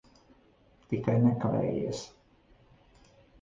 Tikai nekavējies.